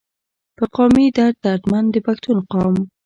پۀ قامي درد دردمند د پښتون قام